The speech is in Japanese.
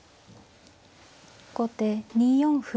後手２四歩。